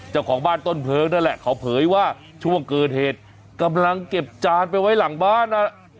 เจ้าของบ้านต้นเพลิงนั่นแหละเขาเผยว่าช่วงเกิดเหตุกำลังเก็บจานไปไว้หลังบ้านอ่ะ